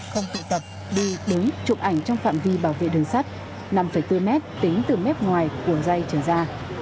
không tụ tập đi đứng chụp ảnh trong phạm vi bảo vệ đường sắt năm bốn mét tính từ mép ngoài cuồng dây trở ra